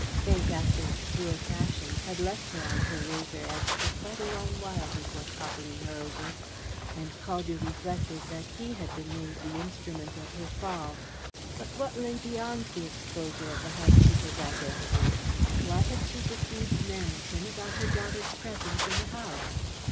Fate, after its cruel fashion, had left her on her razor edge for quite a long while before toppling her over, and Caldew reflected that he had been made the instrument of her fall. But what lay beyond the exposure of the housekeeper's identity? Why had she deceived Merrington about her daughter's presence in the house?